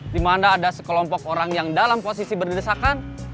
dimana ada sekelompok orang yang dalam posisi berdesakan